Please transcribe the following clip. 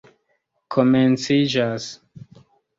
komenciĝas